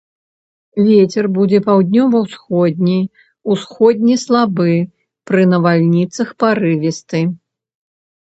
Вецер будзе паўднёва-ўсходні, усходні слабы, пры навальніцах парывісты.